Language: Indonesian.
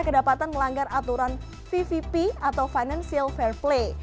kedepatan melanggar aturan vvp atau financial fair play